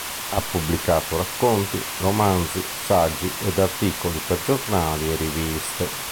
Ha pubblicato racconti, romanzi, saggi ed articoli per giornali e riviste.